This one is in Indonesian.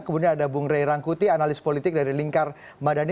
kemudian ada bung rey rangkuti analis politik dari lingkar madani